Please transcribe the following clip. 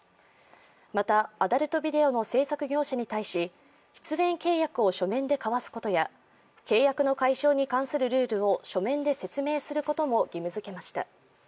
また、アダルトビデオの制作業者に対し出演契約を書面で交わすことや契約の解消に関するルールを書面で説明することも義務づけました。